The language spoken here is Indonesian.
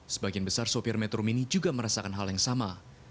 sebagian besar sopir metro mini juga merasakan hal yang sama